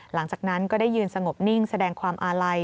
หลังจากนั้นก็ได้ยืนสงบนิ่งแสดงความอาลัย